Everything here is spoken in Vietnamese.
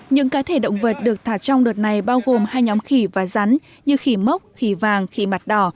những cá thể động vật được thả trong đợt này bao gồm hai nhóm khỉ và rắn như khỉ mốc khỉ vàng khỉ mặt đỏ